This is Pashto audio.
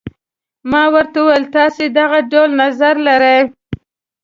ما ورته وویل تاسي دغه ډول نظر لرئ.